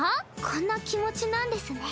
こんな気持ちなんですね。